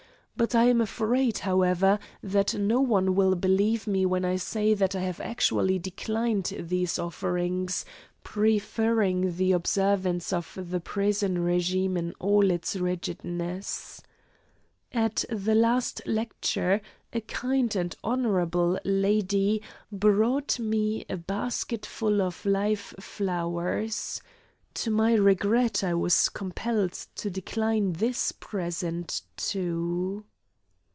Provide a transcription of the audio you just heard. But I am afraid, however, that no one will believe me when I say that I have actually declined these offerings, preferring the observance of the prison regime in all its rigidness. At the last lecture, a kind and honourable lady brought me a basketful of live flowers. To my regret, I was compelled to decline this present, too.